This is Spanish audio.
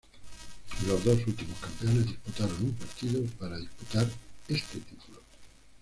Los dos últimos campeones disputaron un partido para disputar este título.